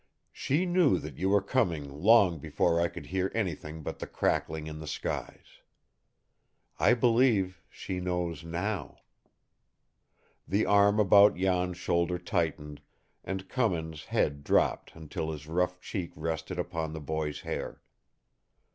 "She knew that you were coming long before I could hear anything but the crackling in the skies. I believe she knows now " The arm about Jan's shoulder tightened, and Cummins' head dropped until his rough cheek rested upon the boy's hair.